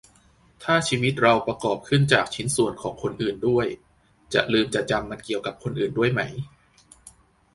ถ้าชีวิตเราประกอบขึ้นจากชิ้นส่วนของคนอื่นด้วย จะลืมจะจำมันเกี่ยวกับคนอื่นด้วยไหม